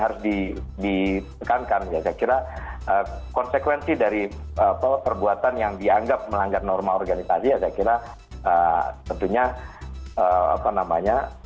harus ditekankan ya saya kira konsekuensi dari apa perbuatan yang dianggap melanggar norma organisasi ya saya kira tentunya apa namanya